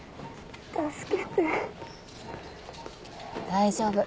大丈夫。